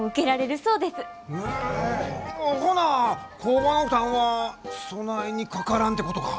ほな工場の負担はそないにかからんてことか。